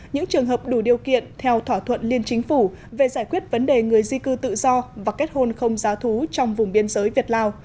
những trường hợp đủ điều kiện theo thỏa thuận liên chính phủ về giải quyết vấn đề người di cư tự do và kết hôn không giá thú trong vùng biên giới việt lào